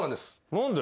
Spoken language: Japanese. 何で？